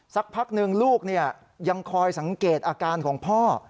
สักพักหนึ่งลูกยังคอยสังเกตอาการของพ่อ